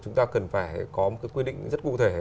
chúng ta cần phải có một cái quy định rất cụ thể